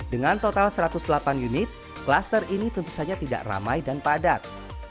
dengan total satu ratus delapan unit klaster ini tentu saja tidak ramai dan padat